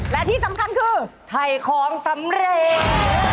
และที่สำคัญคือถ่ายของสำเร็จ